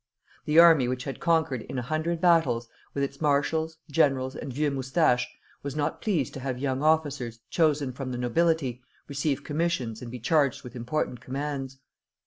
The army which had conquered in a hundred battles, with its marshals, generals, and vieux moustaches, was not pleased to have young officers, chosen from the nobility, receive commissions and be charged with important commands.